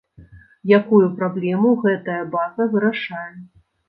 Якую праблему гэтая база вырашае.